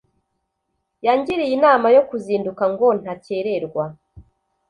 yangiriye inama yo kuzinduka ngo ntakerewa